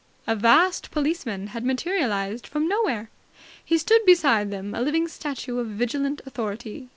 A vast policeman had materialized from nowhere. He stood beside them, a living statue of Vigilant Authority.